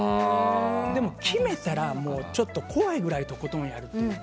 でも、決めたら怖いぐらいとことんやるというか。